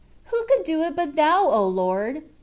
Who could do it but Thou, O Lord